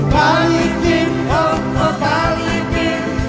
balikin oh oh balikin